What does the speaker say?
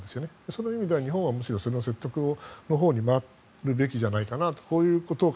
そういう意味では日本はむしろ説得のほうに回るべきじゃないかと。